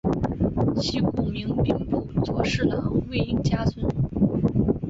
系故明兵部左侍郎魏应嘉孙。